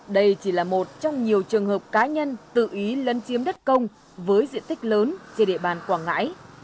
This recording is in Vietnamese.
đây chỉ là một trong nhiều trường hợp cá nhân tự ý lấn chiếm đất công với diện tích lớn trên địa bàn quảng ngãi